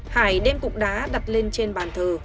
hải đem cục đá đặt lên trên bàn thờ